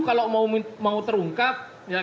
kalau mau terungkap